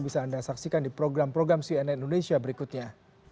bisa anda saksikan di program program cnn indonesia berikutnya